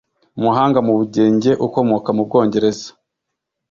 umuhanga mu Bugenge ukomoka mu Bwongereza